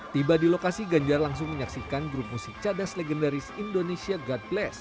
tiba di lokasi ganjar langsung menyaksikan grup musik cadas legendaris indonesia god bless